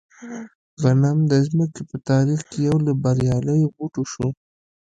غنم د ځمکې په تاریخ کې یو له بریالیو بوټو شو.